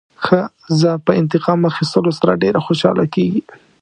ښځه په انتقام اخیستلو سره ډېره خوشحاله کېږي.